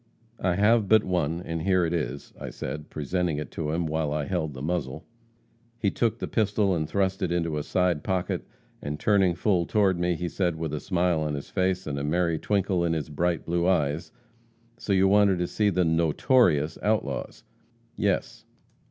'I have but one, and here it is,' I said, presenting it to him, while I held the muzzle. He took the pistol and thrust it into a side pocket, and turning full toward me, he said with a smile on his face, and a merry twinkle in his bright blue eyes: 'So you wanted to see the notorious outlaws?' 'Yes.'